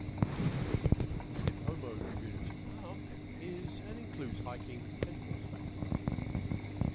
Nipomo Community Park is and includes hiking and horseback riding.